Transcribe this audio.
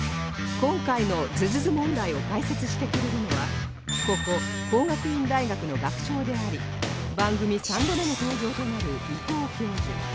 今回のズズズ問題を解説してくれるのはここ工学院大学の学長であり番組３度目の登場となる伊藤教授